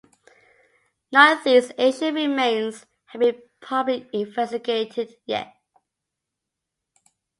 None of these ancient remains have been properly investigated yet.